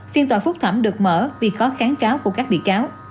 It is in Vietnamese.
phiên tòa phúc thẩm được mở vì có kháng cáo của các bị cáo